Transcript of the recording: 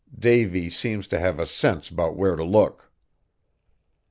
Davy seems to have a sense 'bout where t' look."